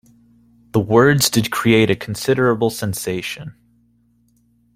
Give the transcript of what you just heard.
The words did create a considerable sensation.